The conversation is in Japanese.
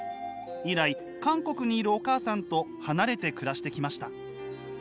以来韓国にいるお母さんと離れて暮らしてきました。